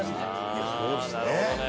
いやそうですね。